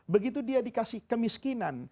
begitu dia dikasih kemiskinan